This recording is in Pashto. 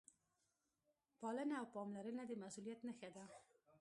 پالنه او پاملرنه د مسؤلیت نښه ده.